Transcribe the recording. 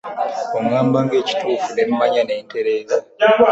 Oŋŋambanga ekituufu ne mmanya ne ntereeza.